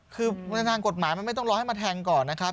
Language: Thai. คือในทางกฎหมายมันไม่ต้องรอให้มาแทงก่อนนะครับ